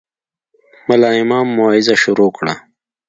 ملا امام موعظه شروع کړه.